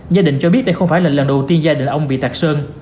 gia đình cho biết đây không phải là lần đầu tiên gia đình ông bị tạc sơn